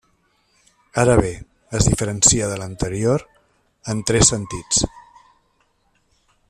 Ara bé, es diferencia de l'anterior en tres sentits.